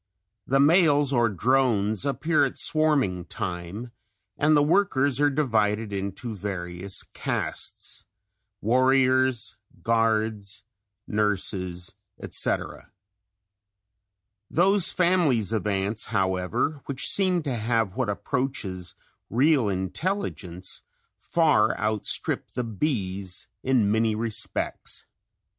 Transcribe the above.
The males or drones appear at swarming time and the workers are divided into various castes warriors, guards, nurses, etc. Those families of ants, however, which seem to have what approaches real intelligence, far outstrip the bees in many respects.